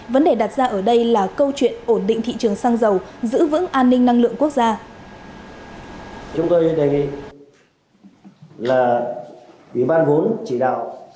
vấn đề đặt ra ở đây là câu chuyện ổn định thị trường xăng dầu giữ vững an ninh năng lượng quốc gia